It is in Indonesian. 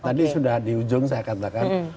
tadi sudah di ujung saya katakan